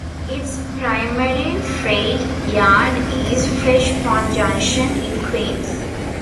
Its primary freight yard is Fresh Pond Junction in Queens.